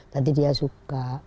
tadi dia suka